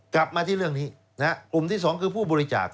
กลับมาที่เรื่องนี้นะฮะกลุ่มที่สองคือผู้บริจาค